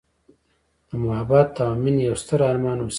د محبت او میینې یوستر ارمان اوسیږې